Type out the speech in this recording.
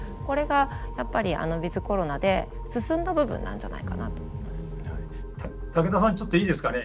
これがやっぱりウィズコロナで進んだ部分なんじゃないかなと思います。